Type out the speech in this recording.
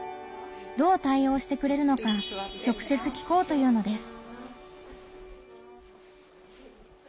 どう対応してくれるのか直接聞こうというのです。